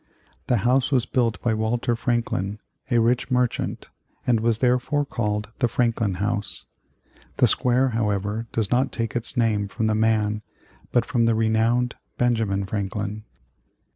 The house was built by Walter Franklin, a rich merchant, and was therefore called the Franklin House. The square, however, does not take its name from this man, but from the renowned Benjamin Franklin.